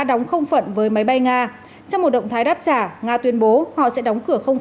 đóng không phận với máy bay nga trong một động thái đáp trả nga tuyên bố họ sẽ đóng cửa không